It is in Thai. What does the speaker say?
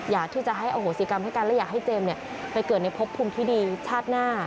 อยากที่จะให้อโหสิกรรมให้กันและอยากให้เจมส์ไปเกิดในพบภูมิที่ดีชาติหน้า